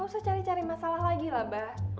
gak usah cari cari masalah lagi lah mbah